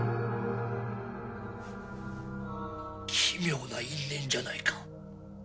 奇妙な因縁じゃないか。